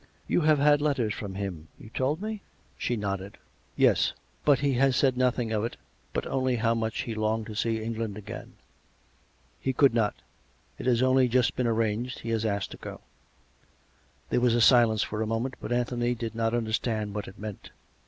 You have had letters from him, you told me .''" She nodded. '" Yes ; but he said nothing of it, but only how much he longed to see England again." " He could not. It has only just been arranged. He has asked to go." There was a silence for a moment. But Anthony did not understand what it meant.